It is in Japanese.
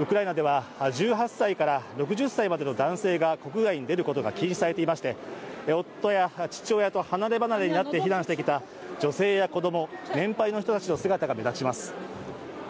ウクライナでは１８歳から６０歳までの男性が国外に出ることが禁止されていまして夫や父親と離ればなれになって避難してきた女性や子供、年配の人たちの姿が目立ちます。